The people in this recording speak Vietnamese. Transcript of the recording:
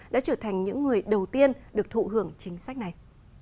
đã trở thành những người đầu tiên được thụ hưởng chính sách này